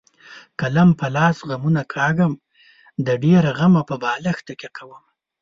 قلم په لاس غمونه کاږم د ډېره غمه په بالښت تکیه کومه.